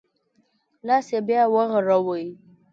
لاس یې بیا وغوړوی.